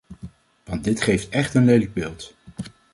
Want dit geeft echt een lelijk beeld.